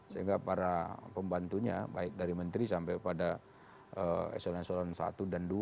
sehingga para pembantunya baik dari menteri sampai pada eselon eselon satu dan dua